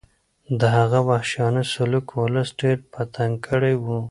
د هغه وحشیانه سلوک ولس ډېر په تنګ کړی و.